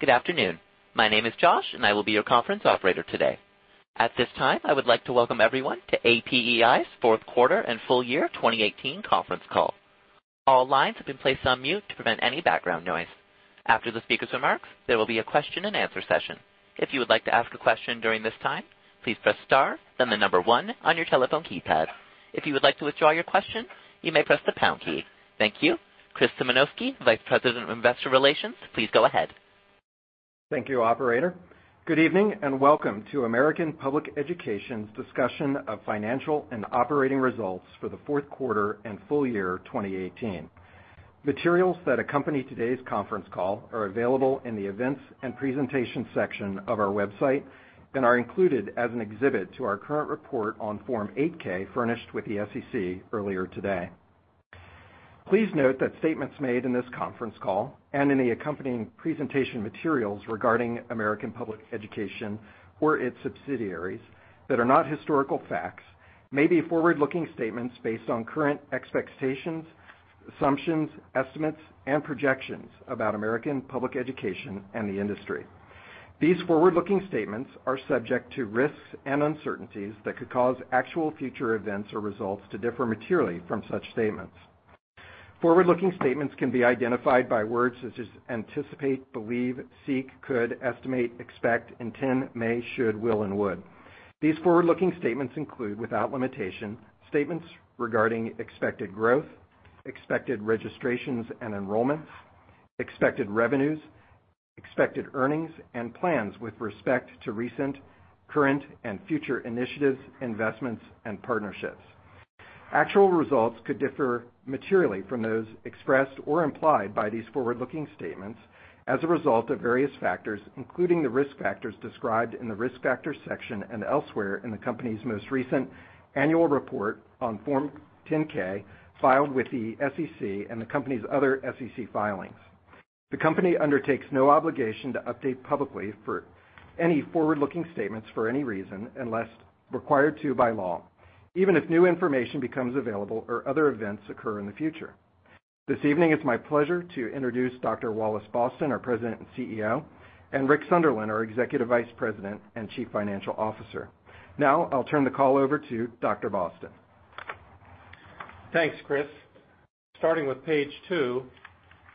Good afternoon. My name is Josh, and I will be your conference operator today. At this time, I would like to welcome everyone to APEI's Q4 and full-year 2018 conference call. All lines have been placed on mute to prevent any background noise. After the speaker's remarks, there will be a question-and-answer session. If you would like to ask a question during this time, please press star then the number one on your telephone keypad. If you would like to withdraw your question, you may press the pound key. Thank you. Chris Symanoskie, Vice President of Investor Relations, please go ahead. Thank you, operator. Good evening, and welcome to American Public Education's discussion of financial and operating results for the Q4 and full-year 2018. Materials that accompany today's conference call are available in the events and presentation section of our website and are included as an exhibit to our current report on Form 8-K furnished with the SEC earlier today. Please note that statements made in this conference call and in the accompanying presentation materials regarding American Public Education or its subsidiaries that are not historical facts may be forward-looking statements based on current expectations, assumptions, estimates, and projections about American Public Education and the industry. These forward-looking statements are subject to risks and uncertainties that could cause actual future events or results to differ materially from such statements. Forward-looking statements can be identified by words such as anticipate, believe, seek, could, estimate, expect, intend, may, should, will, and would. These forward-looking statements include, without limitation, statements regarding expected growth, expected registrations and enrollments, expected revenues, expected earnings, and plans with respect to recent, current, and future initiatives, investments, and partnerships. Actual results could differ materially from those expressed or implied by these forward-looking statements as a result of various factors, including the risk factors described in the Risk Factors section and elsewhere in the company's most recent annual report on Form 10-K, filed with the SEC and the company's other SEC filings. The company undertakes no obligation to update publicly for any forward-looking statements for any reason, unless required to by law, even if new information becomes available or other events occur in the future. This evening, it's my pleasure to introduce Dr. Wallace Boston, our President and CEO, and Rick Sunderland, our Executive Vice President and Chief Financial Officer. Now, I'll turn the call over to Dr. Boston. Thanks, Chris. Starting with page two,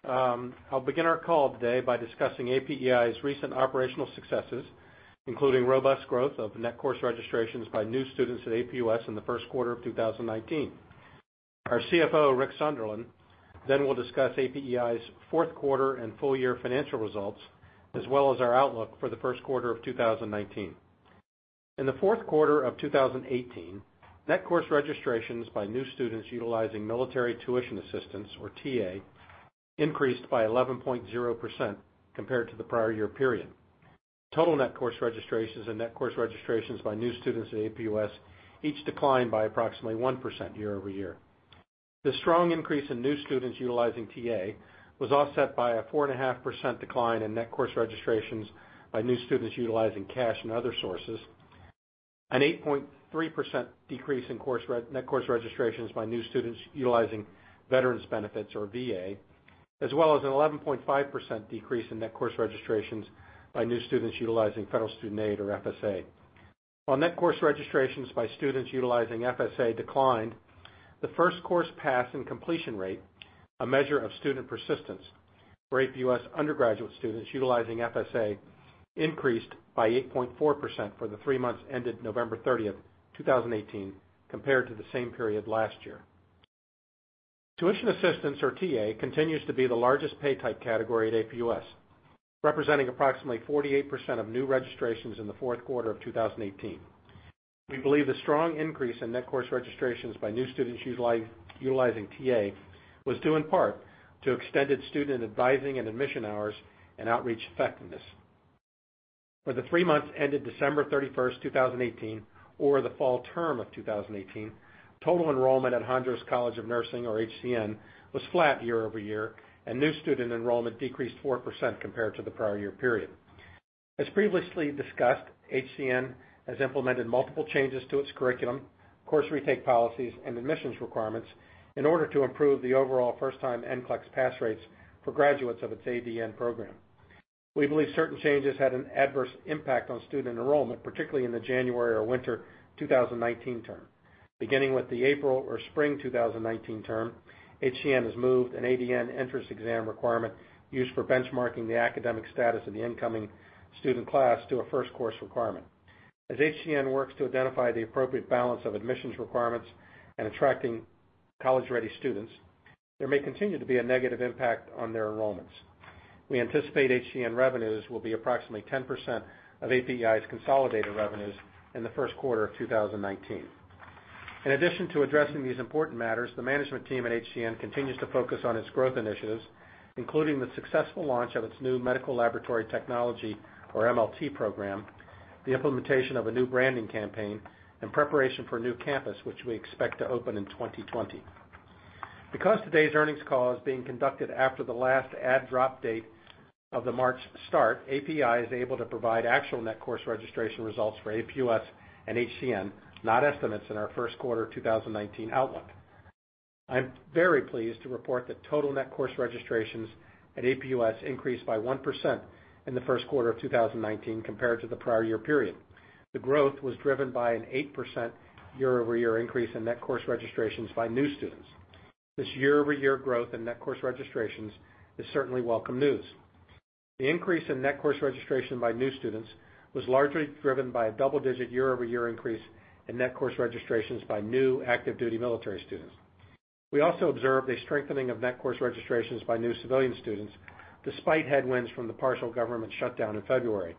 I'll begin our call today by discussing APEI's recent operational successes, including robust growth of net course registrations by new students at APUS in the Q1 of 2019. Our CFO, Rick Sunderland, then will discuss APEI's Q4 and full year financial results, as well as our outlook for the Q1 of 2019. In the Q4 of 2018, net course registrations by new students utilizing military tuition assistance, or TA, increased by 11.0% compared to the prior year period. Total net course registrations and net course registrations by new students at APUS each declined by approximately 1% year-over-year. The strong increase in new students utilizing TA was offset by a 4.5% decline in net course registrations by new students utilizing cash and other sources, an 8.3% decrease in net course registrations by new students utilizing veterans benefits, or VA, as well as an 11.5% decrease in net course registrations by new students utilizing Federal Student Aid, or FSA. While net course registrations by students utilizing FSA declined, the first course pass and completion rate, a measure of student persistence for APUS undergraduate students utilizing FSA increased by 8.4% for the three months ended November 30th, 2018, compared to the same period last year. Tuition assistance, or TA, continues to be the largest pay type category at APUS, representing approximately 48% of new registrations in the Q4 of 2018. We believe the strong increase in net course registrations by new students utilizing TA was due in part to extended student advising and admission hours and outreach effectiveness. For the three months ended December 31st, 2018, or the fall term of 2018, total enrollment at Hondros College of Nursing, or HCN, was flat year-over-year, and new student enrollment decreased 4% compared to the prior year period. As previously discussed, HCN has implemented multiple changes to its curriculum, course retake policies, and admissions requirements in order to improve the overall first-time NCLEX pass rates for graduates of its ADN program. We believe certain changes had an adverse impact on student enrollment, particularly in the January or winter 2019 term. Beginning with the April or spring 2019 term, HCN has moved an ADN entrance exam requirement used for benchmarking the academic status of the incoming student class to a first-course requirement. As HCN works to identify the appropriate balance of admissions requirements and attracting college-ready students, there may continue to be a negative impact on their enrollments. We anticipate HCN revenues will be approximately 10% of APEI's consolidated revenues in the Q1 of 2019. In addition to addressing these important matters, the management team at HCN continues to focus on its growth initiatives, including the successful launch of its new medical laboratory technology, or MLT program, the implementation of a new branding campaign, and preparation for a new campus, which we expect to open in 2020. Because today's earnings call is being conducted after the last add/drop date of the March start, APEI is able to provide actual net course registration results for APUS and HCN, not estimates in our Q1 2019 outlook. I'm very pleased to report that total net course registrations at APUS increased by 1% in the Q1 of 2019 compared to the prior year period. The growth was driven by an 8% year-over-year increase in net course registrations by new students. This year-over-year growth in net course registrations is certainly welcome news. The increase in net course registration by new students was largely driven by a double-digit year-over-year increase in net course registrations by new active-duty military students. We also observed a strengthening of net course registrations by new civilian students, despite headwinds from the partial government shutdown in February.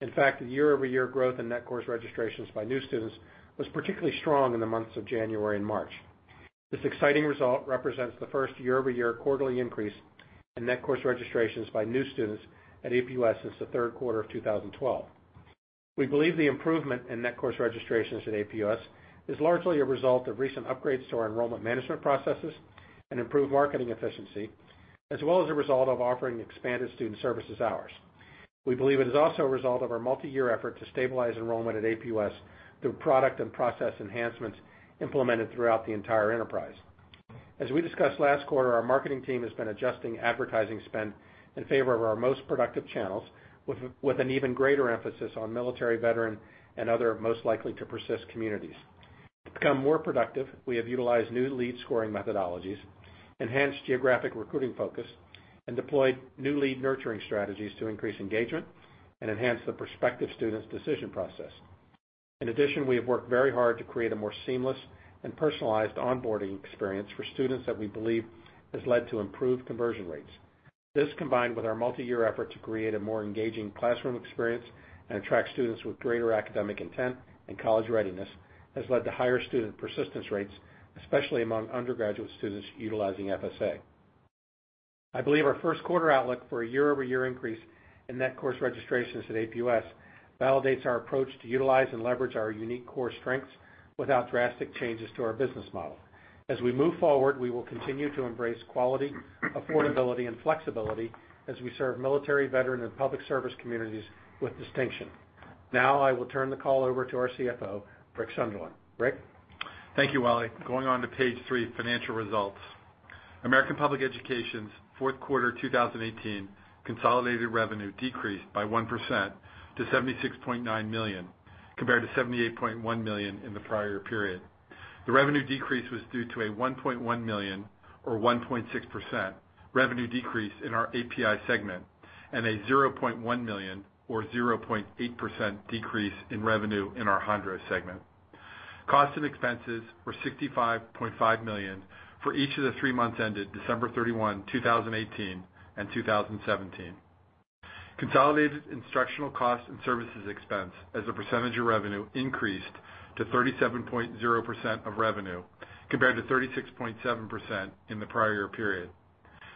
In fact, the year-over-year growth in net course registrations by new students was particularly strong in the months of January and March. This exciting result represents the first year-over-year quarterly increase in net course registrations by new students at APUS since the Q3 of 2012. We believe the improvement in net course registrations at APUS is largely a result of recent upgrades to our enrollment management processes and improved marketing efficiency, as well as a result of offering expanded student services hours. We believe it is also a result of our multi-year effort to stabilize enrollment at APUS through product and process enhancements implemented throughout the entire enterprise. As we discussed last quarter, our marketing team has been adjusting advertising spend in favor of our most productive channels, with an even greater emphasis on military, veteran, and other most-likely-to-persist communities. To become more productive, we have utilized new lead-scoring methodologies, enhanced geographic recruiting focus, and deployed new lead-nurturing strategies to increase engagement and enhance the prospective students' decision process. In addition, we have worked very hard to create a more seamless and personalized onboarding experience for students that we believe has led to improved conversion rates. This, combined with our multi-year effort to create a more engaging classroom experience and attract students with greater academic intent and college readiness, has led to higher student persistence rates, especially among undergraduate students utilizing FSA. I believe our Q1 outlook for a year-over-year increase in net course registrations at APUS validates our approach to utilize and leverage our unique core strengths without drastic changes to our business model. As we move forward, we will continue to embrace quality, affordability, and flexibility as we serve military, veteran, and public service communities with distinction. Now, I will turn the call over to our CFO, Rick Sunderland. Rick? Thank you, Wallace. Going on to page three, financial results. American Public Education's Q4 2018 consolidated revenue decreased by 1% to $76.9 million, compared to $78.1 million in the prior period. The revenue decrease was due to a $1.1 million, or 1.6%, revenue decrease in our APEI segment and a $0.1 million, or 0.8%, decrease in revenue in our Hondros segment. Cost and expenses were $65.5 million for each of the three months ended December 31, 2018 and 2017. Consolidated instructional cost and services expense as a percentage of revenue increased to 37.0% of revenue compared to 36.7% in the prior year period.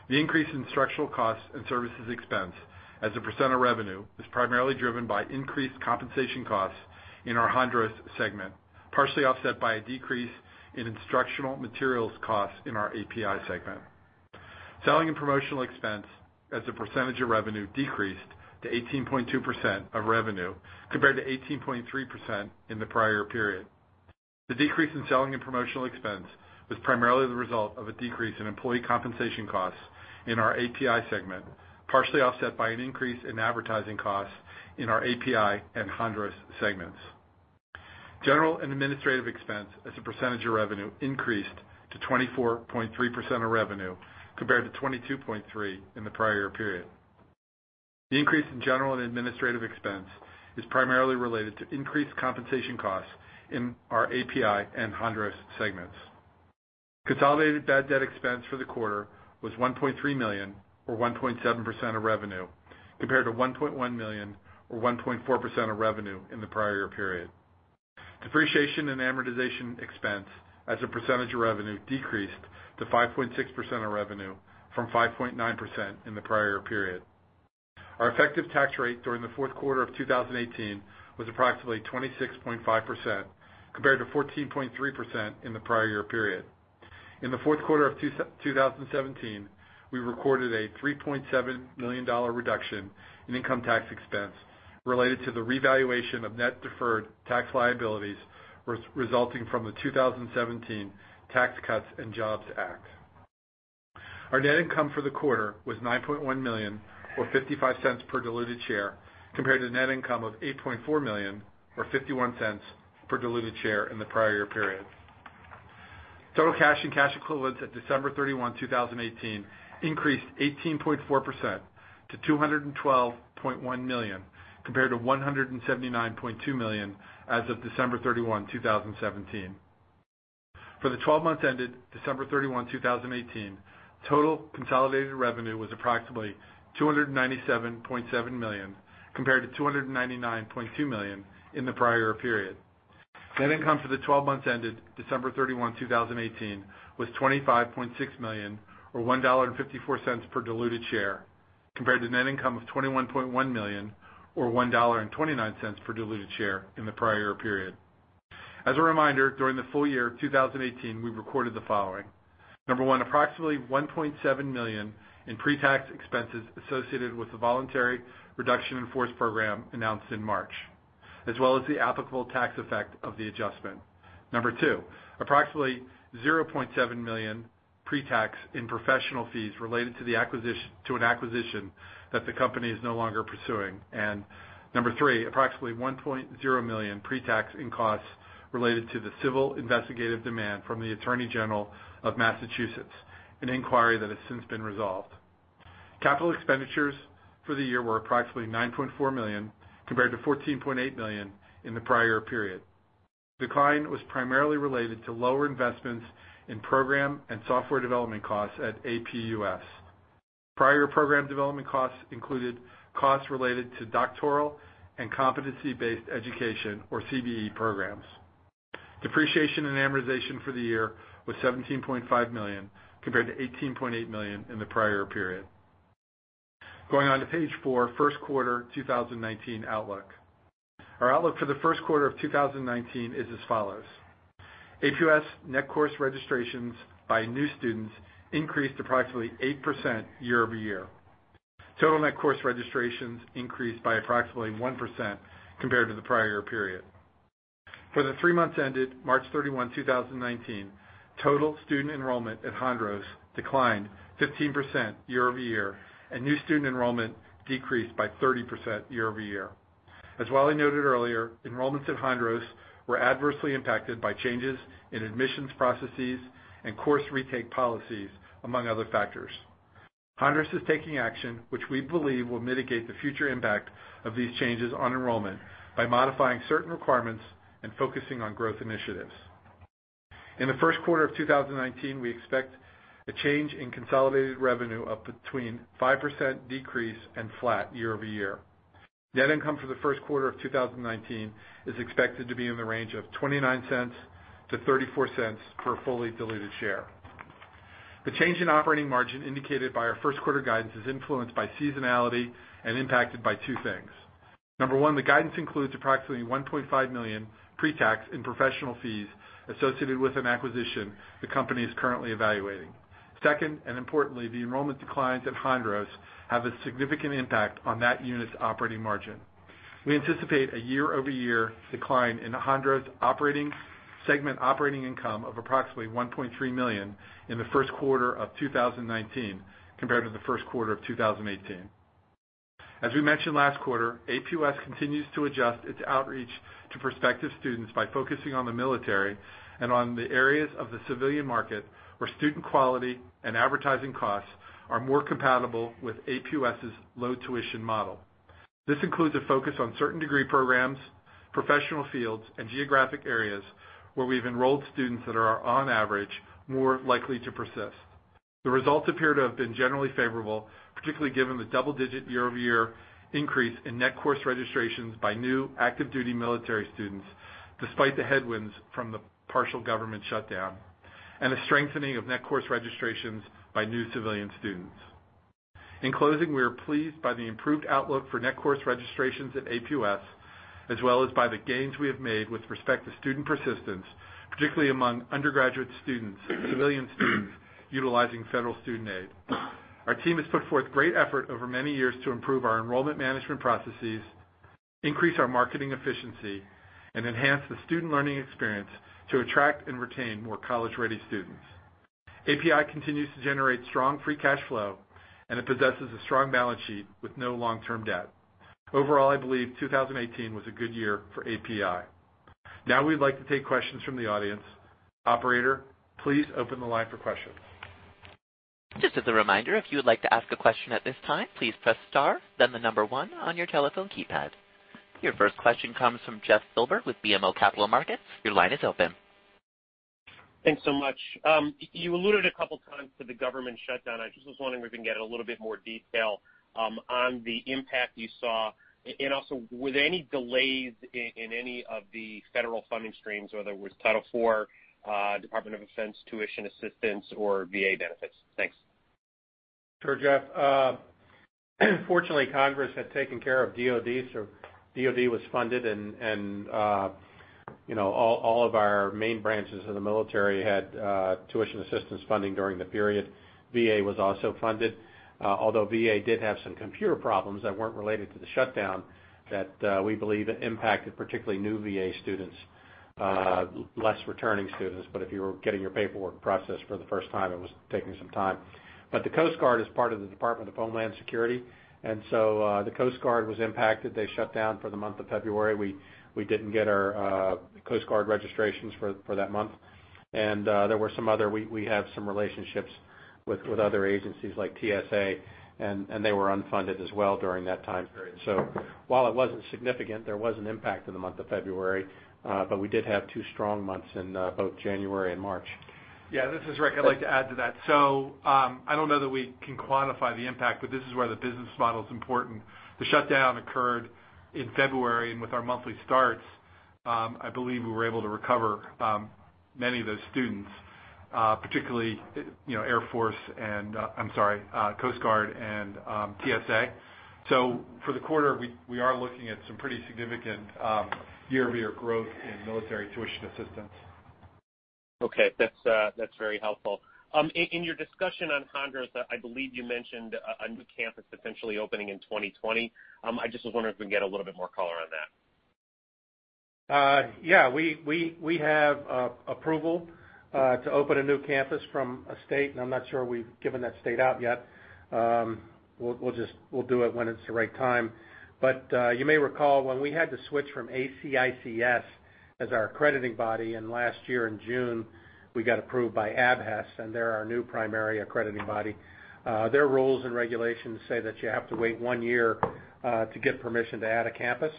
The increase in structural costs and services expense as a percentage of revenue is primarily driven by increased compensation costs in our Hondros segment, partially offset by a decrease in instructional materials costs in our APEI segment. Selling and promotional expense as a percentage of revenue decreased to 18.2% of revenue compared to 18.3% in the prior period. The decrease in selling and promotional expense was primarily the result of a decrease in employee compensation costs in our APEI segment, partially offset by an increase in advertising costs in our APEI and Hondros segments. General and administrative expense as a percentage of revenue increased to 24.3% of revenue compared to 22.3% in the prior period. The increase in general and administrative expense is primarily related to increased compensation costs in our APEI and Hondros segments. Consolidated bad debt expense for the quarter was $1.3 million, or 1.7% of revenue, compared to $1.1 million, or 1.4% of revenue in the prior year period. Depreciation and amortization expense as a percentage of revenue decreased to 5.6% of revenue from 5.9% in the prior year period. Our effective tax rate during the Q4 of 2018 was approximately 26.5%, compared to 14.3% in the prior year period. In the Q4 of 2017, we recorded a $3.7 million reduction in income tax expense related to the revaluation of net deferred tax liabilities, resulting from the 2017 Tax Cuts and Jobs Act. Our net income for the quarter was $9.1 million, or $0.55 per diluted share, compared to the net income of $8.4 million, or $0.51 per diluted share in the prior year period. Total cash and cash equivalents at December 31, 2018 increased 18.4% to $212.1 million, compared to $179.2 million as of December 31, 2017. For the 12 months ended December 31, 2018, total consolidated revenue was approximately $297.7 million, compared to $299.2 million in the prior year period. Net income for the 12 months ended December 31, 2018 was $25.6 million, or $1.54 per diluted share, compared to net income of $21.1 million, or $1.29 per diluted share in the prior year period. As a reminder, during the full year of 2018, we recorded the following. Number one, approximately $1.7 million in pre-tax expenses associated with the voluntary reduction in force program announced in March. As well as the applicable tax effect of the adjustment. Number two, approximately $0.7 million pre-tax in professional fees related to an acquisition that the company is no longer pursuing. Number three, approximately $1.0 million pre-tax in costs related to the civil investigative demand from the Attorney General of Massachusetts, an inquiry that has since been resolved. Capital expenditures for the year were approximately $9.4 million, compared to $14.8 million in the prior period. Decline was primarily related to lower investments in program and software development costs at APUS. Prior program development costs included costs related to doctoral and competency-based education, or CBE programs. Depreciation and amortization for the year was $17.5 million, compared to $18.8 million in the prior period. Going on to page four, Q1 2019 outlook. Our outlook for the Q1 of 2019 is as follows. APUS net course registrations by new students increased approximately 8% year-over-year. Total net course registrations increased by approximately 1% compared to the prior period. For the three months ended March 31, 2019, total student enrollment at Hondros declined 15% year-over-year, and new student enrollment decreased by 30% year-over-year. As Wallace noted earlier, enrollments at Hondros were adversely impacted by changes in admissions processes and course retake policies, among other factors. Hondros is taking action, which we believe will mitigate the future impact of these changes on enrollment by modifying certain requirements and focusing on growth initiatives. In the Q1 of 2019, we expect a change in consolidated revenue of between 5% decrease and flat year-over-year. Net income for the Q1 of 2019 is expected to be in the range of $0.29 to $0.34 per fully diluted share. The change in operating margin indicated by our Q1 guidance is influenced by seasonality and impacted by two things. Number one, the guidance includes approximately $1.5 million pre-tax in professional fees associated with an acquisition the company is currently evaluating. Second, and importantly, the enrollment declines at Hondros have a significant impact on that unit's operating margin. We anticipate a year-over-year decline in Hondros segment operating income of approximately $1.3 million in the Q1 of 2019 compared to the Q1 of 2018. As we mentioned last quarter, APUS continues to adjust its outreach to prospective students by focusing on the military and on the areas of the civilian market where student quality and advertising costs are more compatible with APUS's low tuition model. This includes a focus on certain degree programs, professional fields, and geographic areas where we've enrolled students that are, on average, more likely to persist. The results appear to have been generally favorable, particularly given the double-digit year-over-year increase in net course registrations by new active duty military students, despite the headwinds from the partial government shutdown, and a strengthening of net course registrations by new civilian students. In closing, we are pleased by the improved outlook for net course registrations at APUS, as well as by the gains we have made with respect to student persistence, particularly among undergraduate students, civilian students utilizing federal student aid. Our team has put forth great effort over many years to improve our enrollment management processes, increase our marketing efficiency, and enhance the student learning experience to attract and retain more college-ready students. APEI continues to generate strong free cash flow, and it possesses a strong balance sheet with no long-term debt. Overall, I believe 2018 was a good year for APEI. Now we'd like to take questions from the audience. Operator, please open the line for questions. Just as a reminder, if you would like to ask a question at this time, please press star, then the number one on your telephone keypad. Your first question comes from Jeff Silber with BMO Capital Markets. Your line is open. Thanks so much. You alluded a couple times to the government shutdown. I just was wondering if we can get a little bit more detail on the impact you saw, and also, were there any delays in any of the federal funding streams, whether it was Title IV, Department of Defense tuition assistance, or VA benefits? Thanks. Sure, Jeff. Fortunately, Congress had taken care of DoD, so DoD was funded and all of our main branches of the military had tuition assistance funding during the period. VA was also funded, although VA did have some computer problems that weren't related to the shutdown that we believe impacted particularly new VA students, less returning students. If you were getting your paperwork processed for the first time, it was taking some time. The Coast Guard is part of the Department of Homeland Security, and so the Coast Guard was impacted. They shut down for the month of February. We didn't get our Coast Guard registrations for that month. We have some relationships with other agencies like TSA, and they were unfunded as well during that time period. While it wasn't significant, there was an impact in the month of February. We did have two strong months in both January and March. Yeah, this is Rick. I'd like to add to that. I don't know that we can quantify the impact, but this is where the business model is important. The shutdown occurred in February, and with our monthly starts, I believe we were able to recover many of those students, particularly Coast Guard and TSA. For the quarter, we are looking at some pretty significant year-over-year growth in military tuition assistance. Okay. That's very helpful. In your discussion on Hondros, I believe you mentioned a new campus potentially opening in 2020. I just was wondering if we can get a little bit more color on that. Yeah. We have approval to open a new campus from a state, I'm not sure we've given that state out yet. We'll do it when it's the right time. You may recall, when we had to switch from ACICS as our accrediting body, last year in June, we got approved by ABHES, and they're our new primary accrediting body. Their rules and regulations say that you have to wait one year to get permission to add a campus.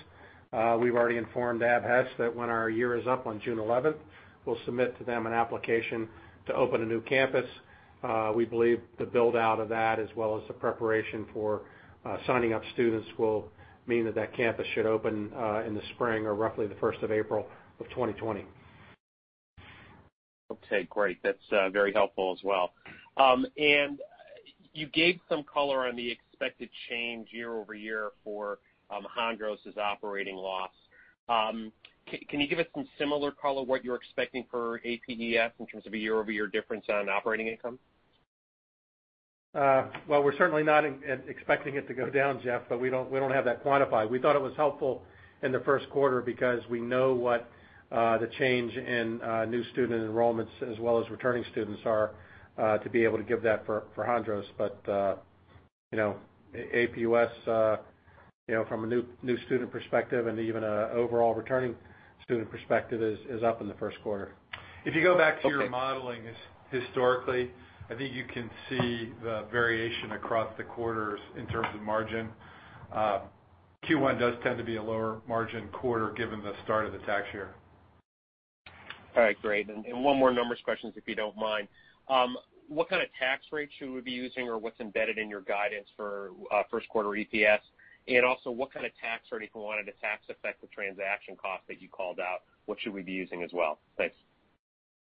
We've already informed ABHES that when our year is up on June 11th, we'll submit to them an application to open a new campus. We believe the build-out of that, as well as the preparation for signing up students, will mean that campus should open in the spring or roughly the April 1st, 2020. Okay, great. That's very helpful as well. You gave some color on the expected change year-over-year for Hondros' operating loss. Can you give us some similar color, what you're expecting for APUS in terms of a year-over-year difference on operating income? Well, we're certainly not expecting it to go down, Jeff, we don't have that quantified. We thought it was helpful in the Q1 because we know what the change in new student enrollments, as well as returning students are, to be able to give that for Hondros. APUS, from a new student perspective and even an overall returning student perspective, is up in the Q1. If you go back to your modeling historically, I think you can see the variation across the quarters in terms of margin. Q1 does tend to be a lower margin quarter given the start of the tax year. All right, great. One more numbers question, if you don't mind. What kind of tax rate should we be using or what's embedded in your guidance for Q1 EPS? Also what kind of tax rate, if we wanted to tax affect the transaction cost that you called out, what should we be using as well? Thanks.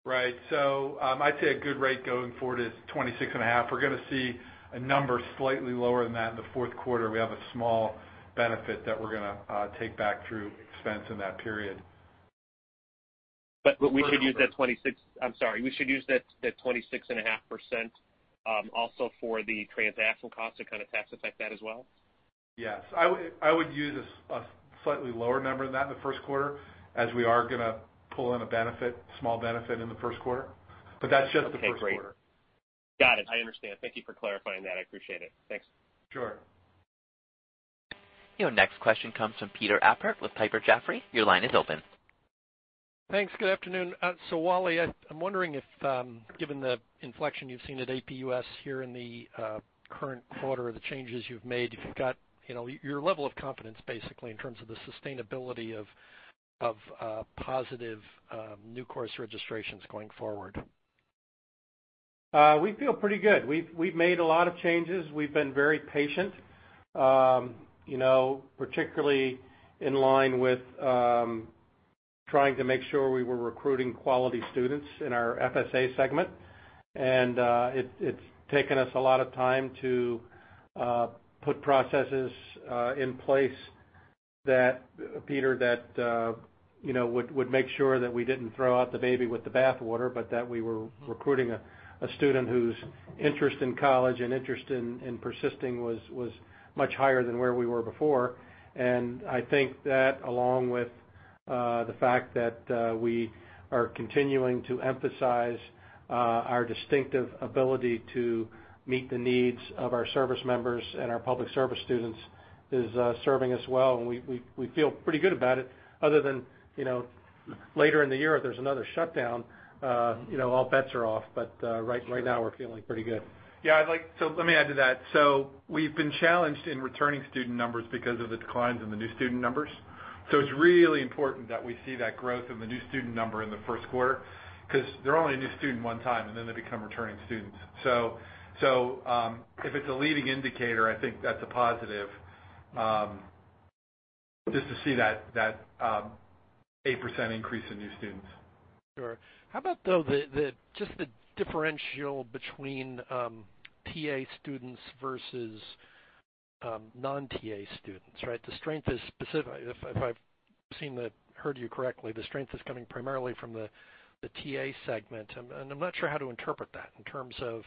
Right. I'd say a good rate going forward is 26.5%. We're going to see a number slightly lower than that in the Q4. We have a small benefit that we're going to take back through expense in that period. We should use that 26.5%, also for the transaction cost to kind of tax affect that as well? Yes. I would use a slightly lower number than that in the Q1, as we are gonna pull in a small benefit in the Q1. That's just the Q1. Okay, great. Got it. I understand. Thank you for clarifying that. I appreciate it. Thanks. Sure. Your next question comes from Peter Appert with Piper Jaffray. Your line is open. Thanks. Good afternoon. Wally, I'm wondering if, given the inflection you've seen at APUS here in the current quarter or the changes you've made, if you've got your level of confidence, basically, in terms of the sustainability of positive new course registrations going forward. We feel pretty good. We've made a lot of changes. We've been very patient, particularly in line with trying to make sure we were recruiting quality students in our FSA segment. It's taken us a lot of time to put processes in place, Peter, that would make sure that we didn't throw out the baby with the bath water, but that we were recruiting a student whose interest in college and interest in persisting was much higher than where we were before. I think that, along with the fact that we are continuing to emphasize our distinctive ability to meet the needs of our service members and our public service students, is serving us well, and we feel pretty good about it, other than later in the year, if there's another shutdown, all bets are off. Right now we're feeling pretty good. Yeah. Let me add to that. We've been challenged in returning student numbers because of the declines in the new student numbers. It's really important that we see that growth in the new student number in the Q1, because they're only a new student one time, and then they become returning students. If it's a leading indicator, I think that's a positive, just to see that 8% increase in new students. Sure. How about, though, just the differential between TA students versus non-TA students, right? If I've heard you correctly, the strength is coming primarily from the TA segment, and I'm not sure how to interpret that in terms of,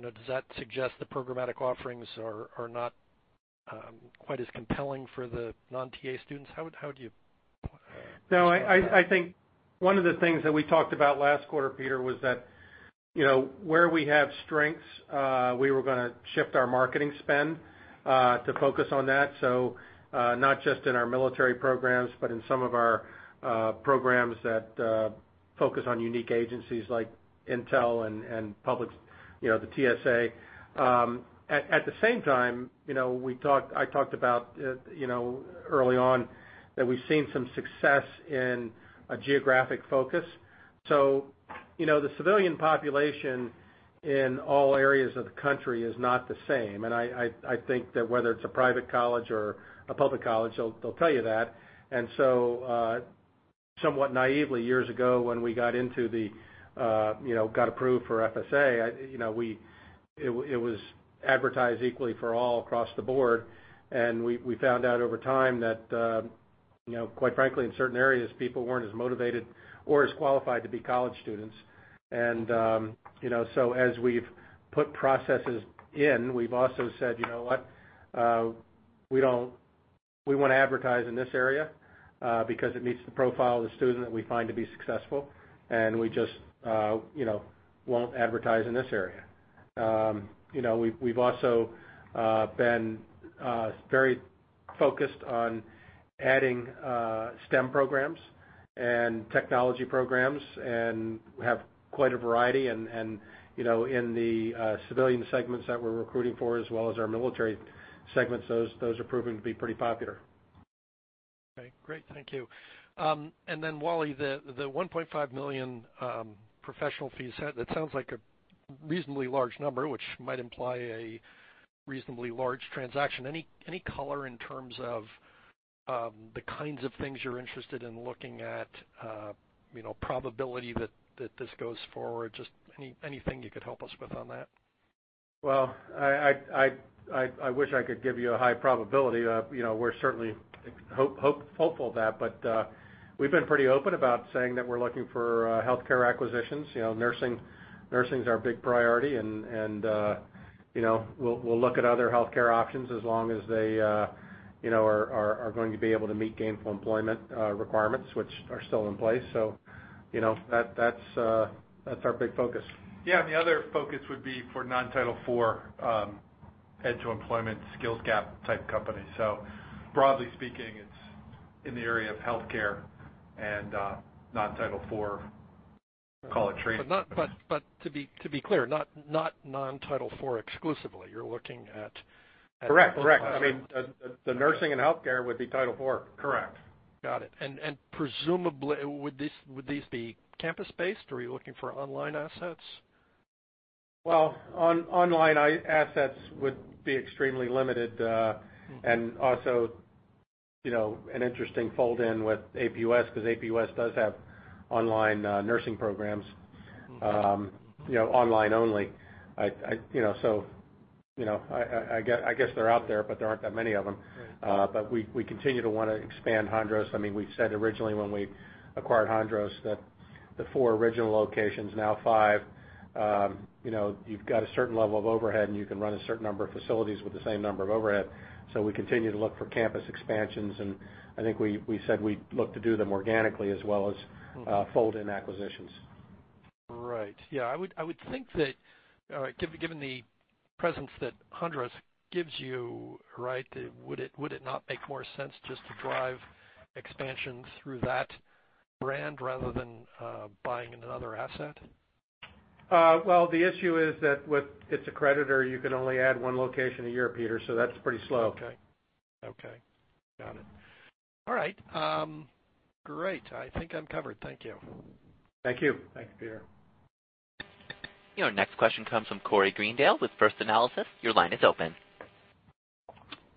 does that suggest the programmatic offerings are not quite as compelling for the non-TA students? How would you? No, I think one of the things that we talked about last quarter, Peter, was that where we have strengths, we were gonna shift our marketing spend, to focus on that. Not just in our military programs, but in some of our programs that focus on unique agencies like Intel and the TSA. At the same time, I talked about early on that we've seen some success in a geographic focus. The civilian population in all areas of the country is not the same, and I think that whether it's a private college or a public college, they'll tell you that. Somewhat naively years ago when we got approved for FSA, it was advertised equally for all across the board. We found out over time that, quite frankly, in certain areas, people weren't as motivated or as qualified to be college students. As we've put processes in, we've also said, "You know what? We want to advertise in this area, because it meets the profile of the student that we find to be successful, and we just won't advertise in this area." We've also been very focused on adding STEM programs and technology programs, and we have quite a variety. In the civilian segments that we're recruiting for, as well as our military segments, those are proving to be pretty popular. Okay, great. Thank you. Then Wally, the $1.5 million professional fees, that sounds like a reasonably large number, which might imply a reasonably large transaction. Any color in terms of the kinds of things you're interested in looking at, probability that this goes forward? Just anything you could help us with on that. Well, I wish I could give you a high probability. We're certainly hopeful of that. We've been pretty open about saying that we're looking for healthcare acquisitions. Nursing is our big priority, and we'll look at other healthcare options as long as they are going to be able to meet gainful employment requirements, which are still in place. That's our big focus. Yeah, the other focus would be for non-Title IV ed to employment skills gap type companies. Broadly speaking, it's in the area of healthcare and non-Title IV, call it training. To be clear, not non-Title IV exclusively. You're looking at both. Correct. The nursing and healthcare would be Title IV. Correct. Got it. Presumably, would these be campus-based, or are you looking for online assets? Well, online assets would be extremely limited. Also, an interesting fold in with APUS, because APUS does have online nursing programs. Online only. I guess they're out there, but there aren't that many of them. Right. We continue to want to expand Hondros. We said originally when we acquired Hondros that the four original locations, now five, you've got a certain level of overhead, and you can run a certain number of facilities with the same number of overhead. We continue to look for campus expansions, and I think we said we'd look to do them organically as well as fold in acquisitions. Right. Yeah, I would think that given the presence that Hondros gives you, would it not make more sense just to drive expansions through that brand rather than buying another asset? Well, the issue is that with its accreditor, you can only add one location a year, Peter, that's pretty slow. Okay. Got it. All right. Great. I think I'm covered. Thank you. Thank you. Thanks, Peter. Your next question comes from Corey Greendale with First Analysis. Your line is open.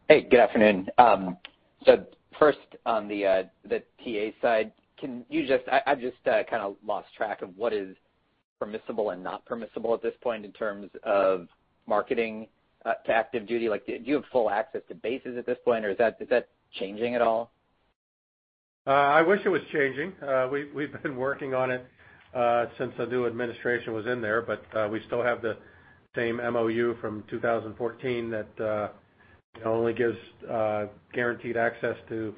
Hey, good afternoon. First on the TA side, I've just kind of lost track of what is permissible and not permissible at this point in terms of marketing to active duty. Do you have full access to bases at this point, or is that changing at all? I wish it was changing. We've been working on it since the new administration was in there, but we still have the same MOU from 2014 that only gives guaranteed access to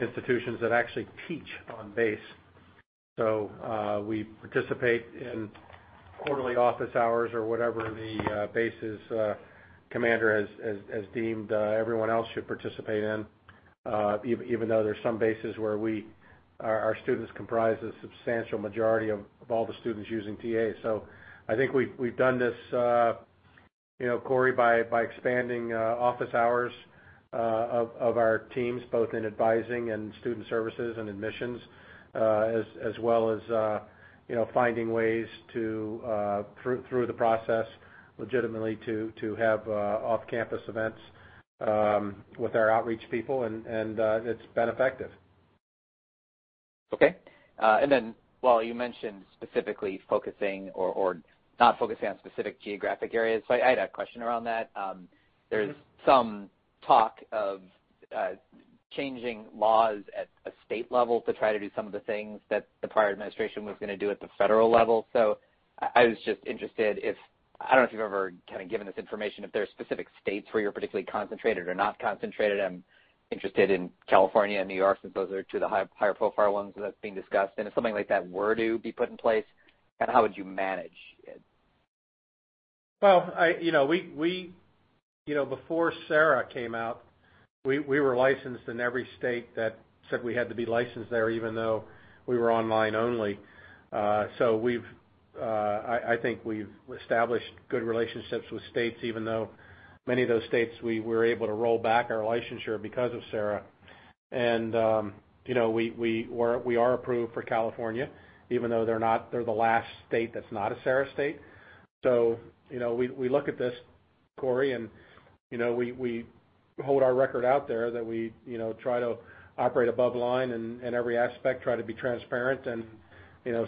institutions that actually teach on base. We participate in quarterly office hours or whatever the base's commander has deemed everyone else should participate in, even though there's some bases where our students comprise a substantial majority of all the students using TA. I think we've done this, Corey, by expanding office hours of our teams, both in advising and student services and admissions, as well as finding ways through the process legitimately to have off-campus events with our outreach people, and it's been effective. Okay. Wally, you mentioned specifically focusing or not focusing on specific geographic areas, I had a question around that. There's some talk of changing laws at a state level to try to do some of the things that the prior administration was going to do at the federal level. I was just interested if, I don't know if you've ever kind of given this information, if there are specific states where you're particularly concentrated or not concentrated. I'm interested in California and New York since those are two of the higher profile ones that's being discussed. If something like that were to be put in place, how would you manage it? Well, before SARA came out, we were licensed in every state that said we had to be licensed there, even though we were online only. I think we've established good relationships with states, even though many of those states we were able to roll back our licensure because of SARA. We are approved for California, even though they're the last state that's not a SARA state. We look at this, Corey, and we hold our record out there that we try to operate above line in every aspect, try to be transparent, and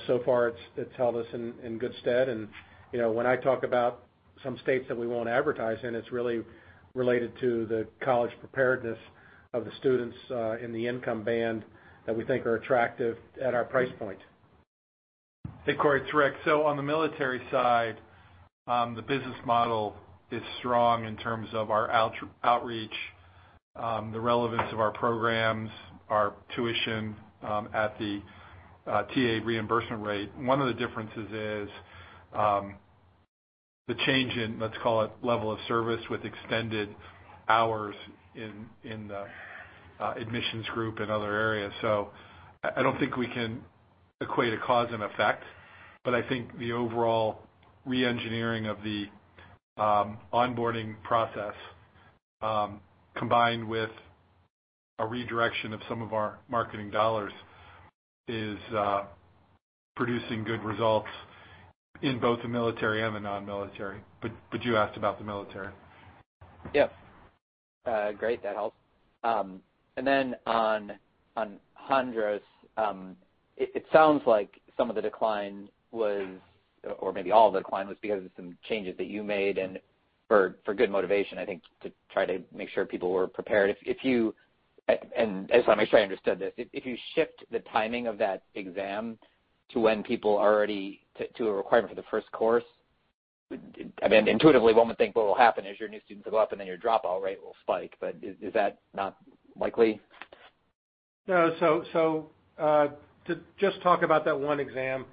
so far it's held us in good stead. When I talk about some states that we won't advertise in, it's really related to the college preparedness of the students in the income band that we think are attractive at our price point. Hey, Corey, it's Rick. On the military side, the business model is strong in terms of our outreach, the relevance of our programs, our tuition at the TA reimbursement rate. One of the differences is the change in, let's call it level of service with extended hours in the admissions group and other areas. I don't think we can equate a cause and effect, but I think the overall re-engineering of the onboarding process, combined with a redirection of some of our marketing dollars, is producing good results in both the military and the non-military. You asked about the military. Yep. Great. That helps. On Hondros, it sounds like some of the decline was, or maybe all the decline was because of some changes that you made and for good motivation, I think, to try to make sure people were prepared. I just want to make sure I understood this. If you shift the timing of that exam to when people are already to a requirement for the first course, I mean, intuitively one would think what will happen is your new students will go up and then your dropout rate will spike. Is that not likely? No. To just talk about that one exam,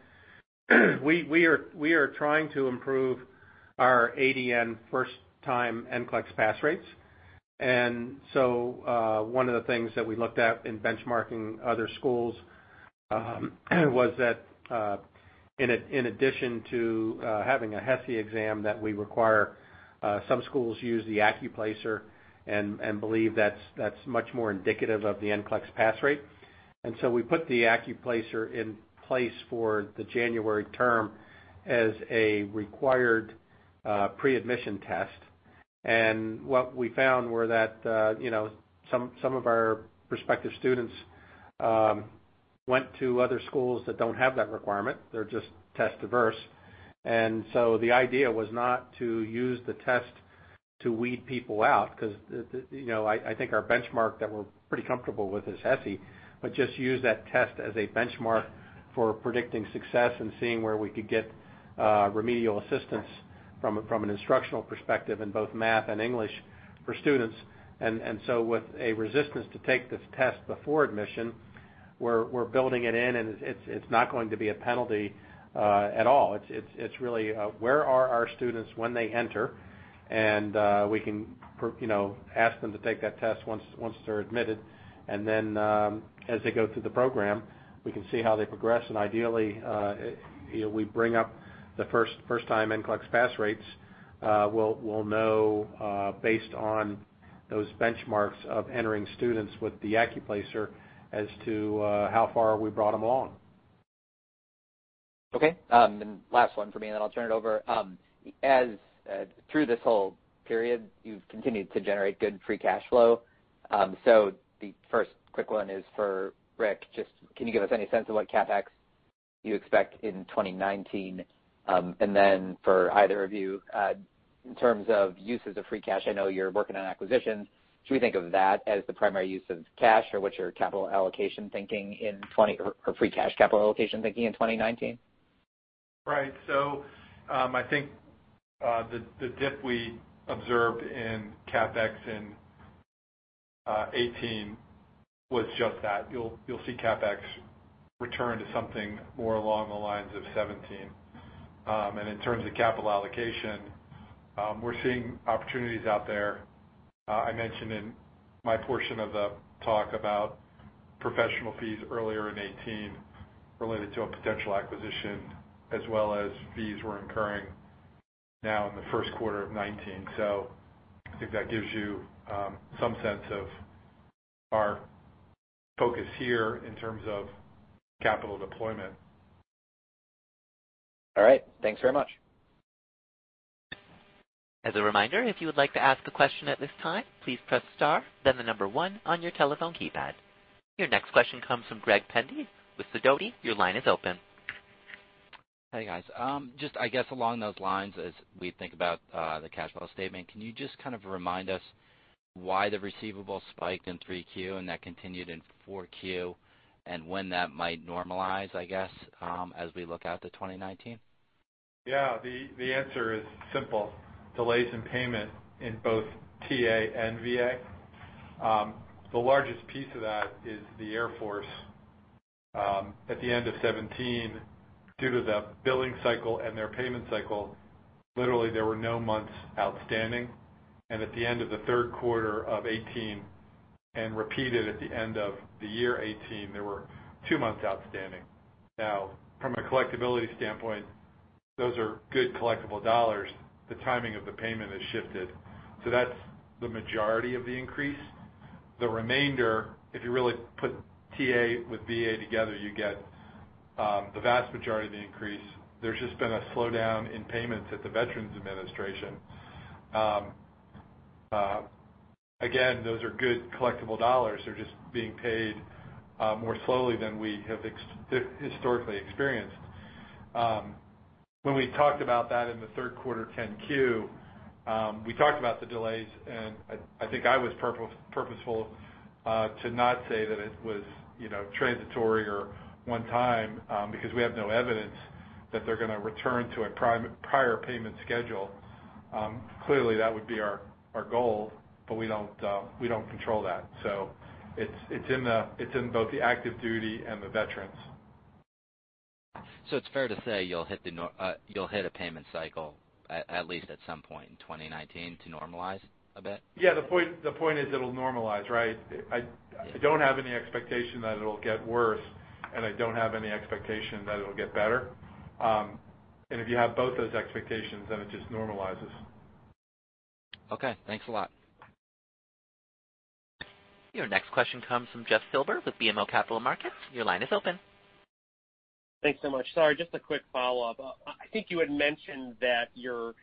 we are trying to improve our ADN first-time NCLEX pass rates. One of the things that we looked at in benchmarking other schools was that, in addition to having a HESI exam that we require, some schools use the ACCUPLACER and believe that's much more indicative of the NCLEX pass rate. We put the ACCUPLACER in place for the January term as a required pre-admission test. What we found were that some of our prospective students went to other schools that don't have that requirement. They're just test diverse. The idea was not to use the test to weed people out because I think our benchmark that we're pretty comfortable with is HESI, but just use that test as a benchmark for predicting success and seeing where we could get remedial assistance from an instructional perspective in both math and English for students. With a resistance to take this test before admission, we're building it in, and it's not going to be a penalty at all. It's really, where are our students when they enter? We can ask them to take that test once they're admitted, and then, as they go through the program, we can see how they progress. Ideally, we bring up the first-time NCLEX pass rates. We'll know, based on those benchmarks of entering students with the ACCUPLACER as to how far we brought them along. Okay. Last one for me, then I'll turn it over. Through this whole period, you've continued to generate good free cash flow. The first quick one is for Rick. Just can you give us any sense of what CapEx you expect in 2019? For either of you, in terms of uses of free cash, I know you're working on acquisitions. Should we think of that as the primary use of cash, or what's your capital allocation thinking in free cash capital allocation thinking in 2019? Right. I think the dip we observed in CapEx in 2018 was just that. You'll see CapEx return to something more along the lines of 2017. In terms of capital allocation, we're seeing opportunities out there. I mentioned in my portion of the talk about professional fees earlier in 2018 related to a potential acquisition as well as fees we're incurring now in the Q1 of 2019. I think that gives you some sense of our focus here in terms of capital deployment. All right. Thanks very much. As a reminder, if you would like to ask a question at this time, please press star, then number one on your telephone keypad. Your next question comes from Greg Pendy with Sidoti. Your line is open. Hey, guys. I guess, along those lines, as we think about the cash flow statement, can you just kind of remind us why the receivables spiked in Q3 and that continued in Q4, and when that might normalize, I guess, as we look out to 2019? Yeah. The answer is simple. Delays in payment in both TA and VA. The largest piece of that is the Air Force. At the end of 2017, due to the billing cycle and their payment cycle, literally there were no months outstanding. At the end of the Q3 of 2018, and repeated at the end of the year 2018, there were two months outstanding. From a collectibility standpoint, those are good collectible dollars. The timing of the payment has shifted. That's the majority of the increase. The remainder, if you really put TA with VA together, you get the vast majority of the increase. There's just been a slowdown in payments at the Veterans Administration. Again, those are good collectible dollars. They're just being paid more slowly than we have historically experienced. When we talked about that in the Q3 10-Q, we talked about the delays, I think I was purposeful to not say that it was transitory or one time because we have no evidence that they're going to return to a prior payment schedule. Clearly, that would be our goal, but we don't control that. It's in both the active duty and the veterans. It's fair to say you'll hit a payment cycle at least at some point in 2019 to normalize a bit? Yeah. The point is it'll normalize, right? I don't have any expectation that it'll get worse, I don't have any expectation that it'll get better. If you have both those expectations, then it just normalizes. Okay. Thanks a lot. Your next question comes from Jeff Silber with BMO Capital Markets. Your line is open. Thanks so much. Sorry, just a quick follow-up. I think you had mentioned that your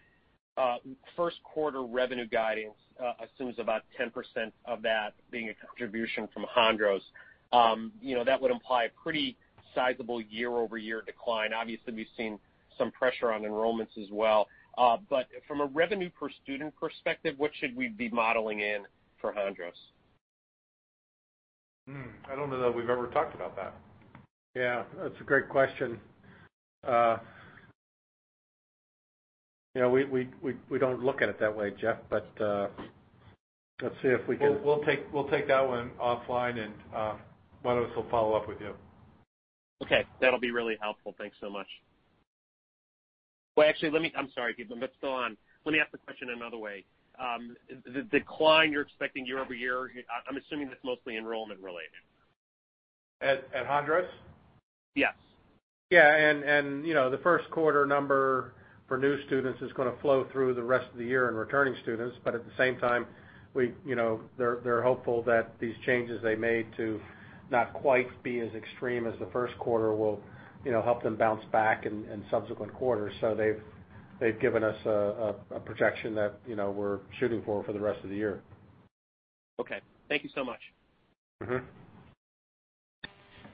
Q1 revenue guidance assumes about 10% of that being a contribution from Hondros. That would imply a pretty sizable year-over-year decline. Obviously, we've seen some pressure on enrollments as well. From a revenue per student perspective, what should we be modeling in for Hondros? I don't know that we've ever talked about that. Yeah. That's a great question. We don't look at it that way, Jeff, but let's see if we can. We'll take that one offline, and one of us will follow up with you. Okay. That'll be really helpful. Thanks so much. Well, actually, I'm sorry, let's go on. Let me ask the question another way. The decline you're expecting year-over-year, I'm assuming that's mostly enrollment related. At Hondros? Yes. Yeah. The Q1 number for new students is going to flow through the rest of the year in returning students. At the same time, they're hopeful that these changes they made to not quite be as extreme as the Q1 will help them bounce back in subsequent quarters. They've given us a projection that we're shooting for the rest of the year. Okay. Thank you so much.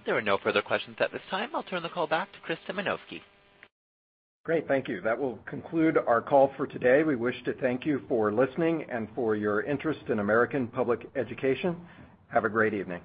There are no further questions at this time. I will turn the call back to Chris Symanoskie. Great. Thank you. That will conclude our call for today. We wish to thank you for listening and for your interest in American Public Education. Have a great evening.